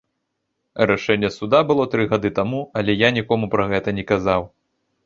Рашэнне суда было тры гады таму, але я нікому пра гэта не казаў.